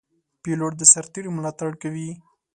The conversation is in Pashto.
پیلوټ د سرتېرو ملاتړ کوي.